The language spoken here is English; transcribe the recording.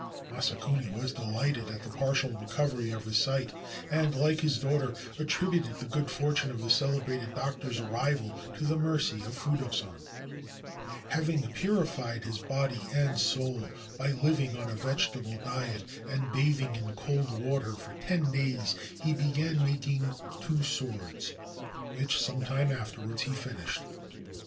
Masakuni was delighted at the partial recovery of his sight, and, like his daughter, attributed the good fortune of the celebrated doctor's arrival to the mercy of Fudo San. Having purified his body and soul by living on a vegetable diet and bathing in cold water for ten days, he began making two swords, which some time afterwards he finished.